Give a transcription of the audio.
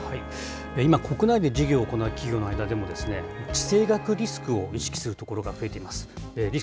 今、国内で事業を行う企業の間でも、地政学リスクを意識するところが増えています。